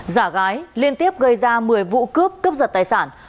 giả gái liên tiếp gây ra một mươi vụ cướp cướp giật tài sản